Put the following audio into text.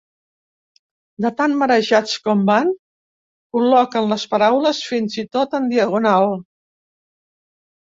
De tan marejats com van, col·loquen les paraules fins i tot en diagonal.